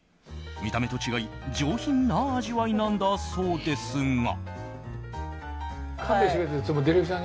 見た目と違い上品な味わいなんだそうですが。